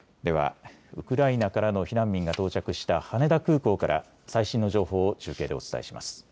ではウクライナからの避難民が到着した羽田空港から最新の情報を中継でお伝えします。